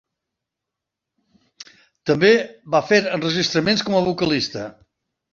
També va fer enregistraments com a vocalista.